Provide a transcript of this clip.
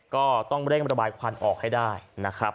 ก็ต้องเร่งระบายควันออกให้ได้นะครับ